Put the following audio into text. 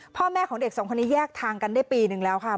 พ่อแม่ของเด็กสองคนนี้แยกทางกันได้ปีนึงแล้วค่ะ